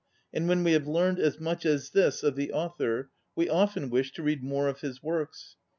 And when we have learned as much as this of the author, we often wish to read more of his works.